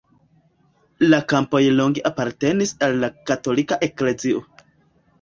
La kampoj longe apartenis al la katolika eklezio.